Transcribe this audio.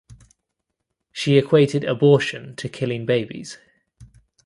She equated abortion to killing babies.